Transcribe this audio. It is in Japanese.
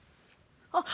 あっ！